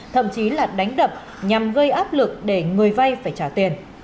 thậm chí là đánh đập nhằm gây áp lực để người vay phải trả tiền